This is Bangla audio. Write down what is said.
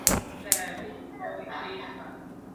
স্যার, ও ইরফান।